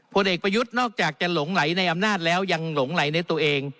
ผลเอกประยุทธ์นอกจากจะหลงไหลในอำนาจแล้วยังหลงไหลในตัวเอง